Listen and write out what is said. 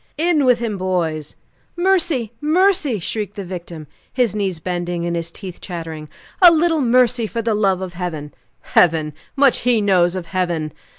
"In with him, boys!" "Mercy! Mercy!" shrieked the victim, his knees bending and his teeth chattering "a little mercy for the love of Heaven!" "Heaven! Much he knows of Heaven!"